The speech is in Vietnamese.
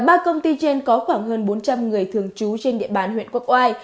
trong đó công ty onetech có khoảng hơn bốn trăm linh người thường trú trên địa bàn huyện quốc oai